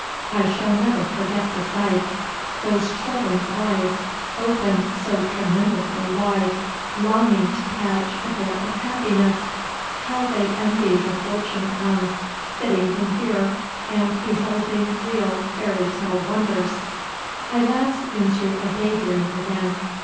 I shall never forget the sight. Those children's eyes, opened so tremendously wide, longing to catch a bit of happiness! How they envy the fortunate ones sitting in here and beholding real fairy tale wonders! I lapse into a day dream again.